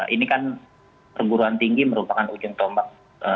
ini kan perguruan tinggi merupakan ujung tombak